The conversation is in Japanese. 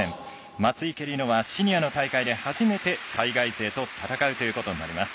松生理乃はシニアの大会で初めて海外勢と戦うということになります。